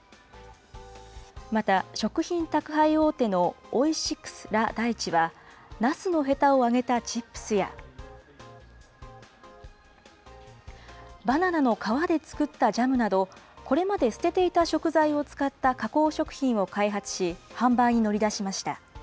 また、食品宅配大手のオイシックス・ラ・大地は、なすのへたを揚げたチップスや、バナナの皮で作ったジャムなど、これまで捨てていた食材を使った加工食品を開発し、販売に乗り出しました。